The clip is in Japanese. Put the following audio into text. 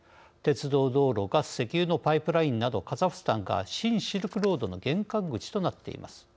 鉄道、道路、ガス石油のパイプラインなどカザフスタンが新シルクロードの玄関口となっています。